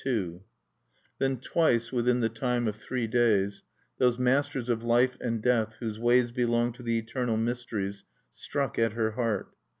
II Then twice, within the time of three days, those masters of life and death whose ways belong to the eternal mysteries struck at her heart.